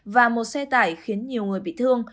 và một xe tải khiến nhiều người bị thương